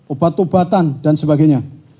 obat obatan dan sebagainya